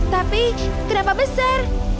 tapi kenapa besar